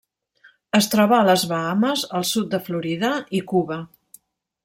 Es troba a les Bahames, el sud de Florida i Cuba.